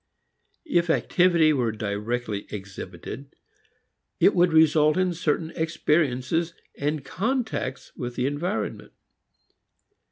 If activity were directly exhibited it would result in certain experiences, contacts with the environment.